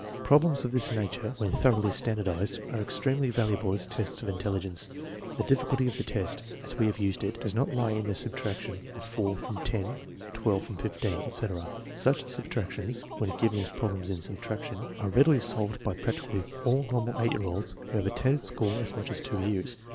Problems of this nature, when thoroughly standardized, are extremely valuable as tests of intelli gence. The difficulty of the test, as we have used it, does not lie in the subtraction of 4 from 10, 12 from 15, etc. Such subtractions, when given as problems in subtraction, are readily solved by practically all normal 8 year olds who have attended school as much as two years.